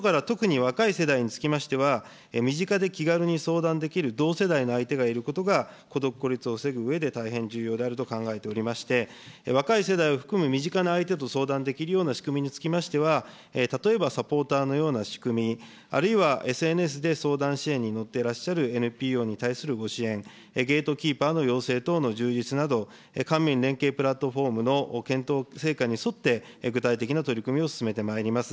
こうしたことで、特に若い世代につきましては、身近で気軽に相談できる同世代の相手がいることが、孤独・孤立を防ぐうえで、大変重要であると考えておりまして、若い世代を含む身近な相手と相談できるような仕組みにつきましては、例えばサポーターのような仕組み、あるいはＳＮＳで相談支援に乗ってらっしゃるＮＰＯに対するご支援、ゲートキーパーの養成等の充実など、官民連携プラットフォームの検討成果に沿って、具体的な取り組みを進めてまいります。